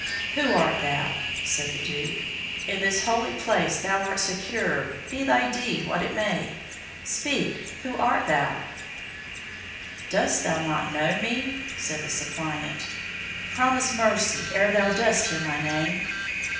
"Who art thou?" said the Duke. "In this holy place thou art secure, be thy deed what it may. Speak! who art thou?" "Dost thou not know me?" said the suppliant. "Promise mercy, ere thou dost hear my name."